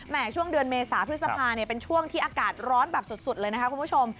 ช่วงเดือนเมษาพฤษภาเป็นช่วงที่อากาศร้อนแบบสุดเลยนะคะคุณผู้ชม